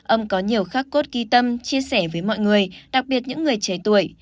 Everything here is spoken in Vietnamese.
ông có nhiều khác cốt ghi tâm chia sẻ với mọi người đặc biệt những người trẻ tuổi